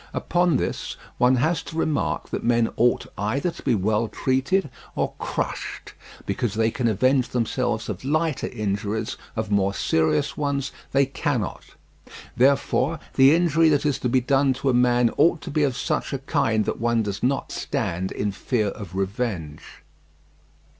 Upon this, one has to remark that men ought either to be well treated or crushed, because they can avenge themselves of lighter injuries, of more serious ones they cannot; therefore the injury that is to be done to a man ought to be of such a kind that one does not stand in fear of revenge.